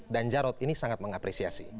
dan jarod ini sangat mengapresiasi